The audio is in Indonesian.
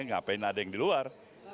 ngapain ada yang di luar